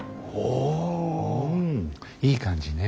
うんいい感じね。